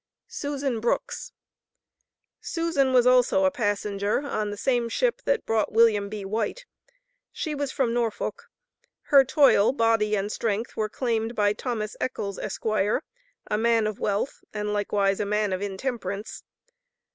SUSAN BROOKS. Susan was also a passenger on the same ship that brought Wm. B. White. She was from Norfolk. Her toil, body and strength were claimed by Thomas Eckels, Esq., a man of wealth and likewise a man of intemperance.